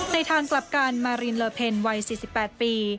ทางกลับกันมารินเลอเพ็ญวัย๔๘ปี